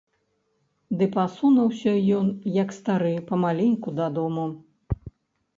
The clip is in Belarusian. Ды пасунуўся ён, як стары, памаленьку дадому.